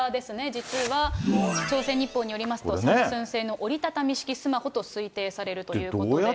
実は、朝鮮日報によりますと、サムスン製の折り畳みスマホと推定されるということで。